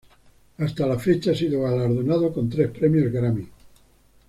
Hasta la fecha ha sido galardonado con tres Premios Grammy.